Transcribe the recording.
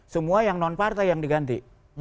semua yang non partai yang diganti